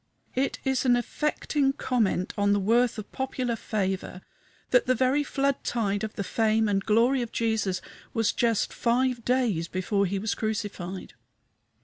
It is an affecting comment on the worth of popular favor that the very flood tide of the fame and glory of Jesus was just five days before he was crucified.